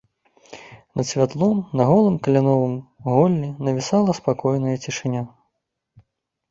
Над святлом, на голым кляновым голлі, навісала спакойная цішыня.